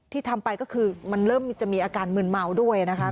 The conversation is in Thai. ทำไปก็คือมันเริ่มจะมีอาการมืนเมาด้วยนะคะ